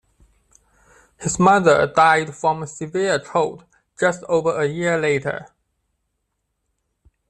His mother died from a severe cold just over a year later.